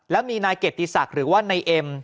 แล้วมีนายเกียรติศักดิ์หรือว่านายเอ็ม